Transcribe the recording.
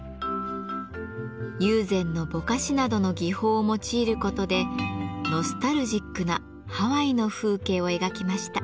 友禅の「ぼかし」などの技法を用いることでノスタルジックなハワイの風景を描きました。